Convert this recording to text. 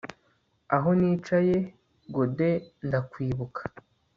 aho nicaye gode ndakwibuka